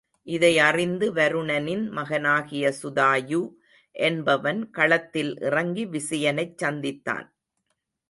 இதை அறிந்து வருணனின் மகனாகிய சுதாயு என்பவன் களத்தில் இறங்கி விசயனைச் சந்தித்தான்.